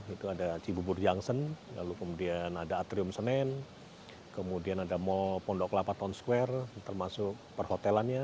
itu ada cibubur junsen lalu kemudian ada atrium senen kemudian ada mall pondok kelapa town square termasuk perhotelannya